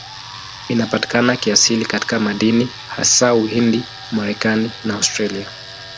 Inapatikana kiasili katika madini, hasa Uhindi, Marekani na Australia.